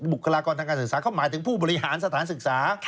บุคลากรทางการศึกษาเขาหมายถึงผู้บริหารสถานศึกษา